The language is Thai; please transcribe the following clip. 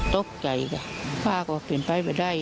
ตกใจก็ว่าก็เปลี่ยนไปไปได้